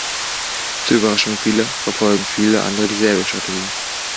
Zur Überraschung vieler verfolgen viele andere dieselbe Strategie.